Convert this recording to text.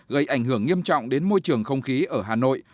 gây ảnh hưởng nghiêm trọng đến môi trường không khí ở hà nội